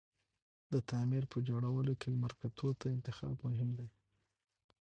د تعمير په جوړولو کی لمر ته کوتو انتخاب مهم دی